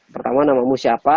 pertama namamu siapa